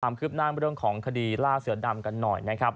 ความคืบหน้าเรื่องของคดีล่าเสือดำกันหน่อยนะครับ